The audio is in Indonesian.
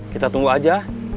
kita tunggu aja